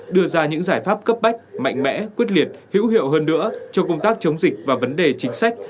đưa ra những giải pháp cấp bách mạnh mẽ quyết liệt hữu hiệu hơn nữa cho công tác chống dịch và vấn đề chính sách